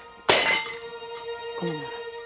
ごめんなさい。